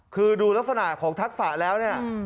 คือดูลักษณะของทักษะแล้วเนี่ย